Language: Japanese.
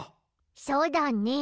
そうだね。